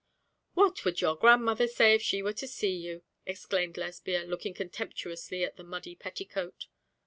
'What would grandmother say if she were to see you!' exclaimed Lesbia, looking contemptuously at the muddy petticoat.